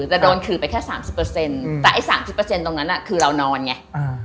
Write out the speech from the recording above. แต่โดนขืดไปแค่๓๐แต่ไอ้๓๐ตรงนั้นคือเรานอนไง